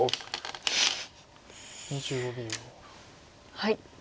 はい。